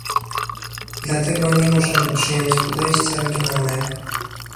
Dlatego nie możemy przyjąć podejścia regionalnego